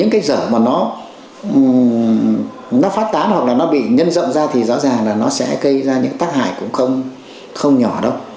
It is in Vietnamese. bây giờ mà nó phát tán hoặc là nó bị nhân rộng ra thì rõ ràng là nó sẽ gây ra những tác hại cũng không nhỏ đâu